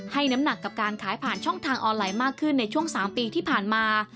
น้ำหนักกับการขายผ่านช่องทางออนไลน์มากขึ้นในช่วง๓ปีที่ผ่านมา